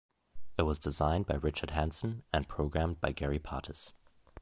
It was designed by Richard Hanson and programmed by Gary Partis.